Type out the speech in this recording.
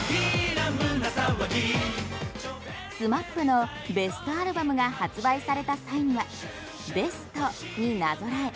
ＳＭＡＰのベストアルバムが発売された際にはベストになぞらえ